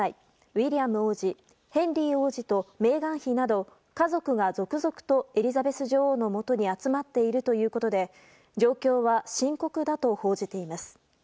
ウィリアム王子ヘンリー王子とメーガン妃など家族が続々とエリザベス女王のもとに集まっているということで状況は深刻だと報じています。